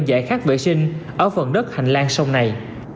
giải khát vệ sinh ở phần đất hành lang sông này